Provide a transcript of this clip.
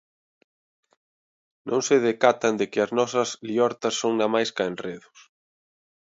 Non se decatan de que as nosas liortas son namais ca enredos.